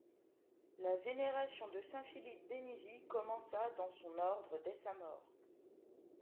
La vénération de saint Philippe Benizi commença dans son Ordre dès sa mort.